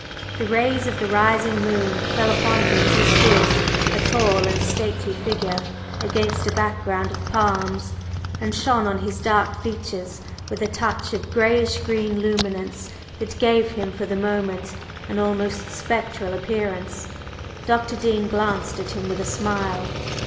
The rays of the rising moon fell upon him as he stood, a tall and stately figure, against a background of palms, and shone on his dark features with a touch of grayish green luminance that gave him for the moment an almost spectral appearance. Dr. Dean glanced at him with a smile.